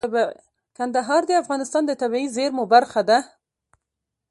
کندهار د افغانستان د طبیعي زیرمو برخه ده.